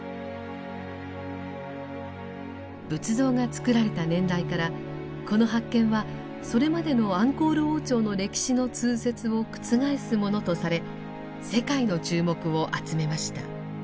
仏像が造られた年代からこの発見はそれまでのアンコール王朝の歴史の通説を覆すものとされ世界の注目を集めました。